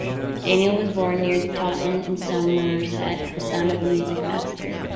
Daniel was born near Taunton in Somerset, the son of a music-master.